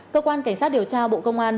cơ quan cảnh sát điều tra bộ công an